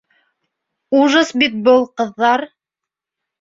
Ужас бит был, ҡыҙҙар!